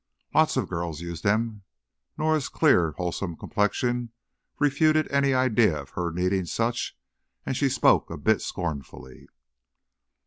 "Lots of girls use them." Norah's clear, wholesome complexion refuted any idea of her needing such, and she spoke a bit scornfully.